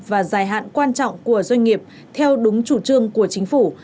và dài hạn quan trọng của doanh nghiệp theo đúng chủ trương của chính phủ